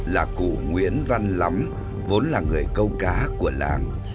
là cụ nguyễn văn lắm vốn là người câu cá của làng